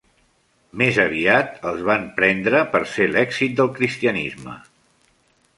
Més aviat els van prendre per ser l'èxit del cristianisme.